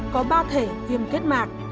có ba thể viêm kết mạc